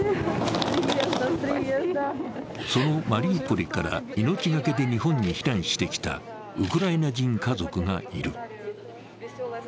そのマリウポリから命がけで日本に避難してきたウクライナ人家族がいる。